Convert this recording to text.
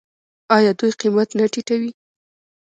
آیا دوی قیمت نه ټیټوي؟